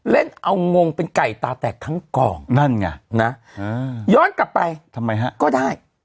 เล่นเอางงเป็นไก่ตาแตกทั้งกองนั่นไงนะย้อนกลับไปทำไมฮะก็ได้